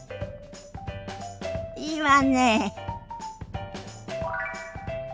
いいわね。